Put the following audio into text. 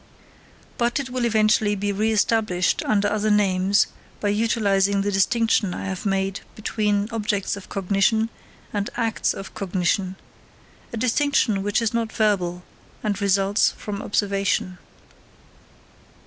But it will eventually be re established under other names by utilising the distinction I have made between objects of cognition and acts of cognition; a distinction which is not verbal, and results from observation.